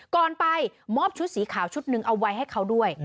ก่อนไปมอบชุดสีขาวชุดหนึ่งเอาไว้ให้เขาด้วย